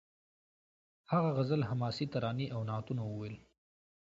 هغه غزل حماسي ترانې او نعتونه وویل